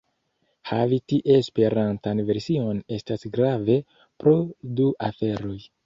Havi tie Esperantan version estas grave pro du aferoj.